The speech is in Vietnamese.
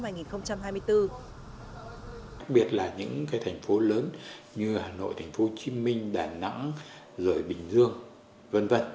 đặc biệt là những thành phố lớn như hà nội tp hcm đà nẵng bình dương v v